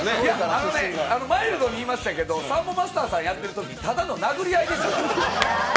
マイルドにいいましたけど、サンボマスターさんやってるとき、ただの殴り合いですよ。